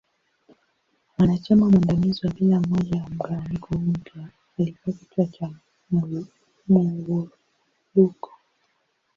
Mwanachama mwandamizi wa kila moja ya mgawanyiko huu mpya alikua kichwa cha Muwuluko.